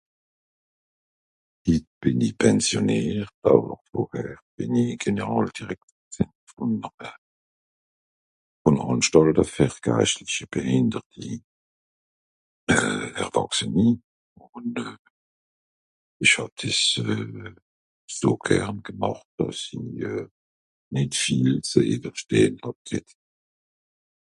Hitt bìn i pensionnìert àwer vorher bìn i Generàl-Direktor gsìnn vùn. [inaudible] (...) fer geischtlichi Behinderti... euh Erwàchseni. Ùn euh... Ìch hàb dìs euh... so gern gemàcht, dàss i euh... nìt viel ze ìwwerstehn hàb ghet.